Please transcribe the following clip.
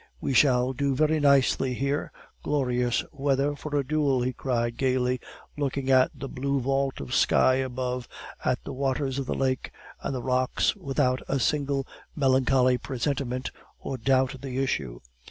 "We shall do very nicely here; glorious weather for a duel!" he cried gaily, looking at the blue vault of sky above, at the waters of the lake, and the rocks, without a single melancholy presentiment or doubt of the issue.